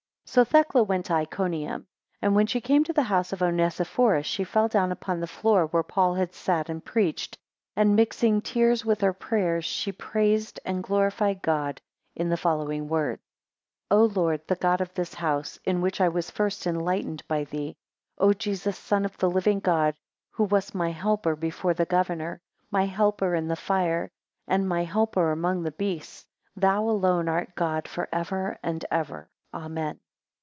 6 So Thecla went to Iconium. And when she came to the house of Onesiphorus, she fell down upon the floor where Paul had sat and preached, and, mixing tears with her prayers, she praised and glorified God in the following words: 7 O Lord the God of this house, in which I was first enlightened by thee; O Jesus, son of the living God, who wast my helper before the governor, my helper in the fire, and my helper among the beasts; thou alone art God for ever and ever, Amen.